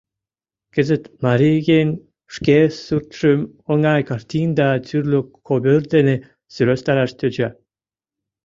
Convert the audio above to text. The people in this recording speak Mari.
Кызыт марий еҥ шке суртшым оҥай картин да тӱрлӧ ковёр дене сӧрастараш тӧча.